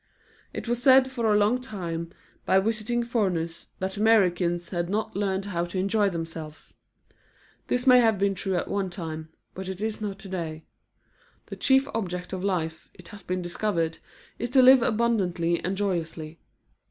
It was said for a long time by visiting foreigners that Americans had not learned how to enjoy themselves. This may have been true at one time, but it is not today. The chief object of life, it has been discovered, is to live abundantly and joyously.